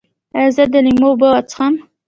ایا زه د لیمو اوبه وڅښم؟